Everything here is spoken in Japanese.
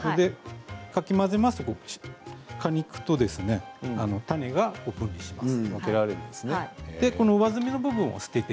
かき混ぜると果肉と種が分離します。